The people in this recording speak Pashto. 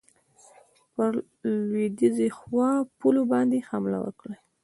پر لوېدیخو پولو باندي حمله وکړي.